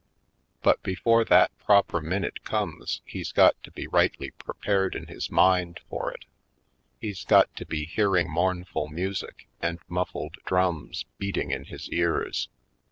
But before that proper minute comes he's got to be rightly prepared in his mind for it. He's got to be hearing mournful music and muffled drums beating in his ears.